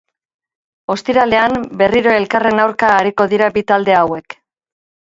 Ostiralean berriro elkarren aurka ariko dira bi talde hauek.